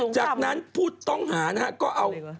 จากนั้นผู้ต้องหานะฮะก็เอา